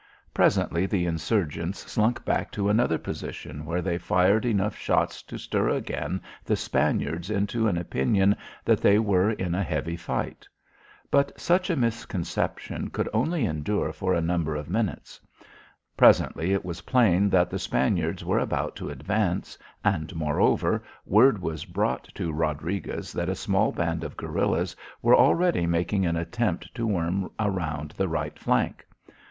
Presently the insurgents slunk back to another position where they fired enough shots to stir again the Spaniards into an opinion that they were in a heavy fight. But such a misconception could only endure for a number of minutes. Presently it was plain that the Spaniards were about to advance and, moreover, word was brought to Rodriguez that a small band of guerillas were already making an attempt to worm around the right flank.